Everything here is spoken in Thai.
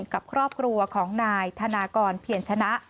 กับครอบครัวของนายธนากรเพียรชนะ